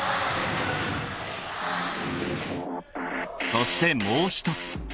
［そしてもう１つ］